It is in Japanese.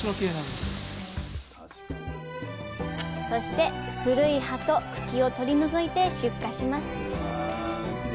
そして古い葉と茎を取り除いて出荷します